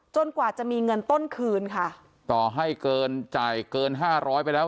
กว่าจะมีเงินต้นคืนค่ะต่อให้เกินจ่ายเกินห้าร้อยไปแล้ว